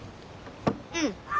うん。